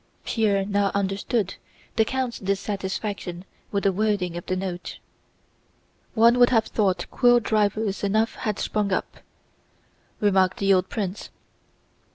Pierre now understood the count's dissatisfaction with the wording of the Note. "One would have thought quill drivers enough had sprung up," remarked the old prince.